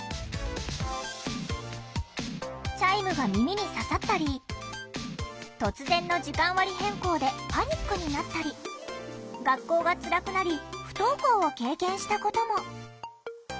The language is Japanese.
チャイムが耳に刺さったり突然の時間割変更でパニックになったり学校がつらくなり不登校を経験したことも。